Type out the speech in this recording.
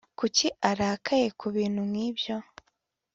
Kuki arakaye kubintu nkibyo